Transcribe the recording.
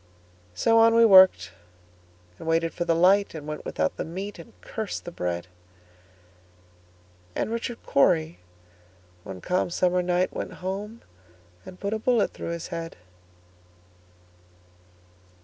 So on we worked, and waited for the light, And went without the meat, and cursed the bread; And Richard Cory, one calm summer night, Went home and put a bullet through his head.